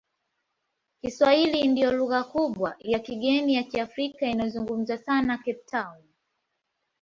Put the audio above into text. Kiswahili ndiyo lugha kubwa ya kigeni ya Kiafrika inayozungumzwa sana Cape Town.